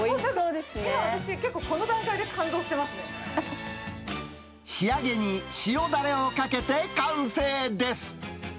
私、結構、この段階で感動し仕上げに、塩だれをかけて完成です。